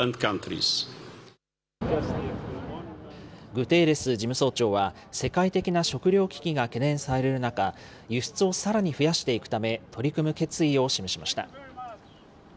グテーレス事務総長は、世界的な食料危機が懸念される中、輸出をさらに増やしていくため、取り組む決意を示しました。